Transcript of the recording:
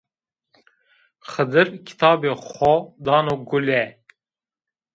Xidir kitabê xo dano Gule.